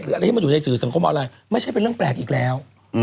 อะไรที่มันอยู่ในสื่อสังคมออนไลน์ไม่ใช่เป็นเรื่องแปลกอีกแล้ว